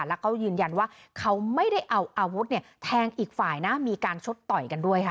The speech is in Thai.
แล้วก็ยืนยันว่าเขาไม่ได้เอาอาวุธเนี่ยแทงอีกฝ่ายนะมีการชดต่อยกันด้วยค่ะ